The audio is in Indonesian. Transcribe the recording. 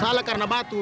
salah karena batu